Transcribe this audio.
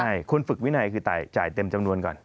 ใช่คุณฝึกวินัยคือจ่ายเต็มจำนวนก่อน